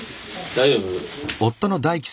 大丈夫。